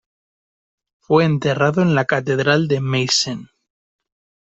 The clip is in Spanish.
Fue enterrado en la catedral de Meissen.